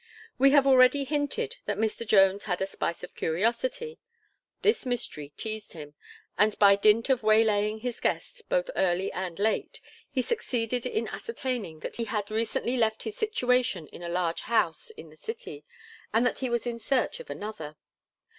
We have already hinted that Mr. Jones had a spice of curiosity; this mystery teazed him, and by dint of waylaying his guest both early and late, he succeeded in ascertaining that he had recently left his situation in a large house in the city, and that he was in search of another.